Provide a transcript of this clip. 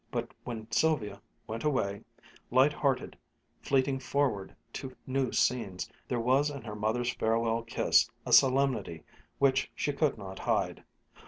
But when Sylvia went away, light hearted, fleeting forward to new scenes, there was in her mother's farewell kiss a solemnity which she could not hide.